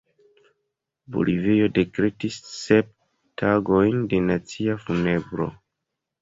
Bolivio dekretis sep tagojn de nacia funebro.